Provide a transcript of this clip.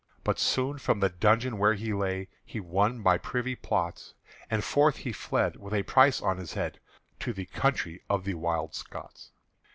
But soon from the dungeon where he lay He won by privy plots, And forth he fled with a price on his head To the country of the Wild Scots.